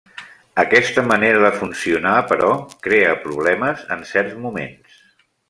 Aquesta manera de funcionar, però, crea problemes en certs moments.